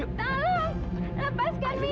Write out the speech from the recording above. ini kan anaknya si sutan